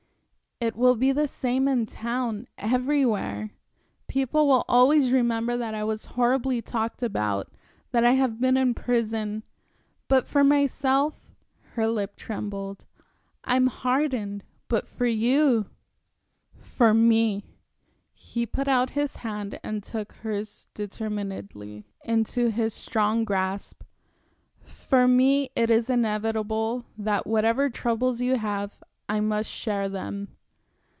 "It will be the same in town everywhere. People will always remember that I was horribly talked about, that I have been in prison. For myself" her lip trembled "I'm hardened, but for you" "For me" he put out his hand and took hers determinedly into his strong grasp "for me it is inevitable that, whatever troubles you have, I must share them."